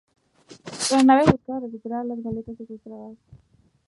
La nave buscaba recuperar las goletas secuestradas.